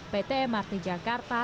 pt mrt jakarta